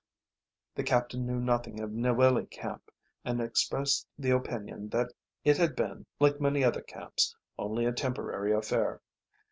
The captain knew nothing of Niwili Camp and expressed the opinion that it had been, like many other camps, only a temporary affair.